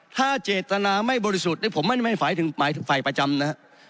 ถ้าเจตนาไม่บริสุทธิ์ผมไม่ให้ฝ่ายถึงฝ่ายประจำนะครับ